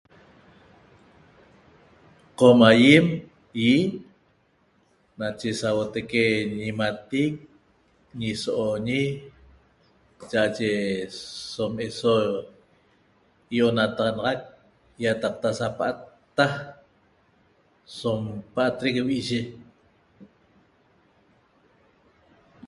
Qom aýem ýi nache sauotaique ñimatic ñisooñi cha'aye som eso i'onataxanaxac ýataqta sapa'atta so pa'atrec vi'i'ye